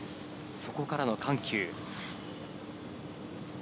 そこからの緩急。